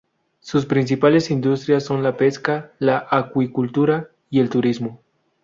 Sus principales industrias son la pesca, la acuicultura y el turismo.